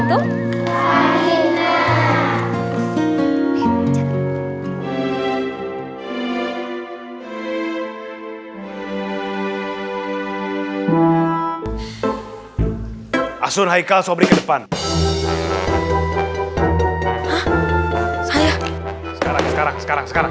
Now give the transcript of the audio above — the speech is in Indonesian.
tuh saya sekarang sekarang sekarang sekarang